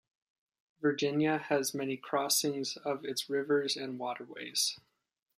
Virginia has many crossings of its rivers and waterways.